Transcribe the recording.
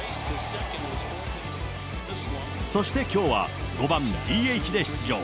そしてきょうは、５番ＤＨで出場。